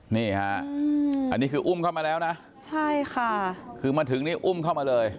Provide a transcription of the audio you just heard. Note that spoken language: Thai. นี่ฮะอันนี้คืออุ้มเข้ามาแล้วนะใช่ค่ะคือมาถึงนี่อุ้มเข้ามาเลย